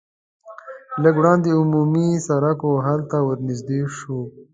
لږ وړاندې عمومي سرک و هلته ور نږدې شوو.